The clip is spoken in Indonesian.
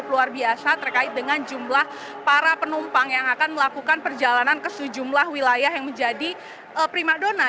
luar biasa terkait dengan jumlah para penumpang yang akan melakukan perjalanan ke sejumlah wilayah yang menjadi prima dona